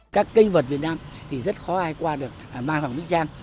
các cây vật việt nam thì rất khó ai qua được mai hoàng mỹ trang